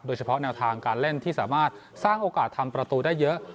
โดยเฉพาะแนวทางการเล่นที่สามารถสร้างโอกาสทำประตูได้เยอะ